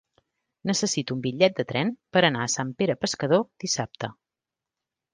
Necessito un bitllet de tren per anar a Sant Pere Pescador dissabte.